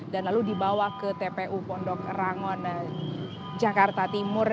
dan lalu dibawa ke tpu pondok rangon jakarta timur